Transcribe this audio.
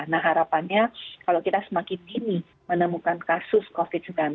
nah harapannya kalau kita semakin dini menemukan kasus covid sembilan belas